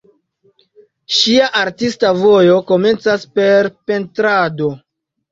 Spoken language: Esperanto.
Ŝia artista vojo komencas per pentrado.